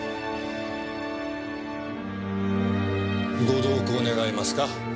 ご同行願えますか？